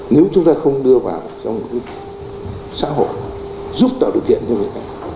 nếu chúng ta không đưa vào trong một cái xã hội giúp tạo được kiện như vậy